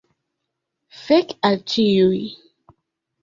Fek al ĉiuj.